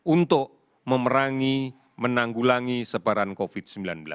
untuk memerangi menanggulangi sebaran covid sembilan belas